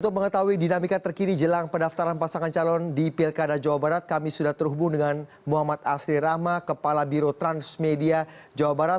untuk mengetahui dinamika terkini jelang pendaftaran pasangan calon di pilkada jawa barat kami sudah terhubung dengan muhammad asri rahma kepala biro transmedia jawa barat